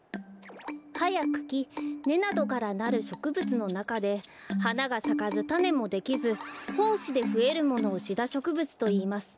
はやくきねなどからなるしょくぶつのなかではながさかずたねもできずほうしでふえるものをシダしょくぶつといいます。